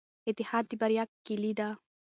اتحاد د بریا کیلي ده.